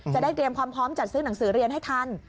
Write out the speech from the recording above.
จะได้เตรียมความพร้อมจัดซื้อหนังสือเรียนให้ทัน